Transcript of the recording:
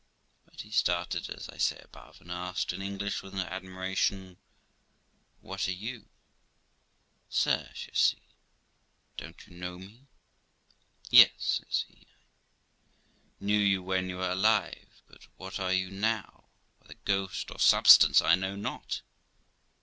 But he started, as I say above, and asked in English, with an admira tion, 'What are you?' 'Sir', says she, 'don't you know me?' 'Yes', says he, 'I knew you when you were alive; but what are you now? whether ghost or substance, 1 know not.'